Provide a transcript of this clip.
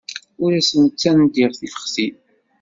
Ur asen-ttandiɣ tifextin.